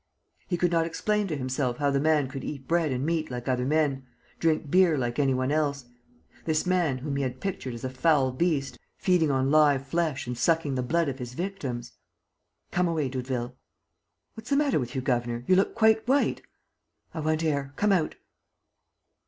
He could not explain to himself how the man could eat bread and meat like other men, drink beer like any one else: this man whom he had pictured as a foul beast, feeding on live flesh and sucking the blood of his victims. "Come away, Doudeville." "What's the matter with you, governor? You look quite white!" "I want air. Come out."